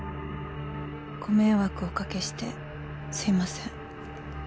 「ご迷惑をおかけしてすみません」